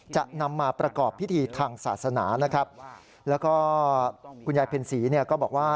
จะนำมาประกอบพิธีทางศาสนานะครับแล้วก็คุณยายเพ็ญศรีเนี่ยก็บอกว่า